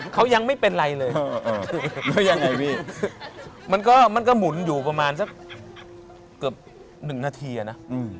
เขายังไม่เป็นไรเลยแล้วยังไงพี่มันก็มันก็หมุนอยู่ประมาณสักเกือบหนึ่งนาทีอะนะ